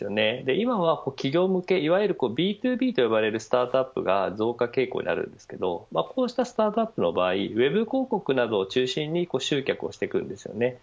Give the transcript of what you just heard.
今は企業向け、いわゆるＢｔｏＢと呼ばれるスタートアップが増加傾向になるんですけどこうしたスタートアップの場合ウェブ広告を中心に集客をしてくるんですよね。